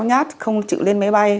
cháu nhát không chịu lên máy bay